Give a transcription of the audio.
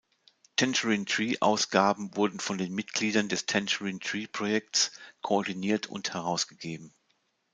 Tangerine Tree Ausgaben wurden von den Mitgliedern des Tangerine Tree Projekts koordiniert und herausgegeben.